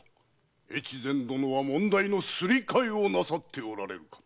越前殿は問題のすり替えをなさっておられるかと。